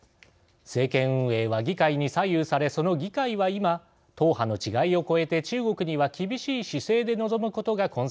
政権運営は議会に左右されその議会は今党派の違いを超えて中国には厳しい姿勢で臨むことがコンセンサスになっています。